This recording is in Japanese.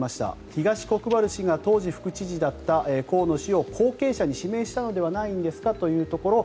東国原氏が当時、副知事だった河野氏を後継者に指名したのではないんですかというところ。